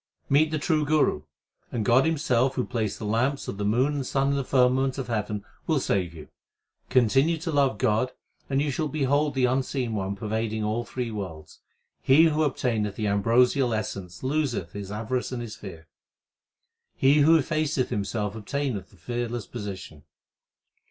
Meet the true Guru, and God Himself Who placed the lamps of the moon and sun in the firma ment of heaven will save you. Continue to love God, and you shall behold the Unseen One pervading all three worlds. He who obtaineth the ambrosial essence loseth his avarice and his fear. He who effaceth himself obtaineth the fearless position.